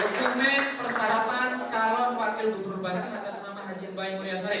lokumen persyaratan calon wakil berubah ubah di atas nama haji mbak imri asri